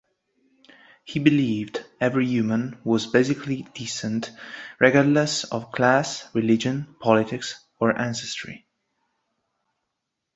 He believed every human was basically decent regardless of class, religion, politics, or ancestry.